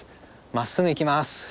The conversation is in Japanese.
まっすぐ行きます。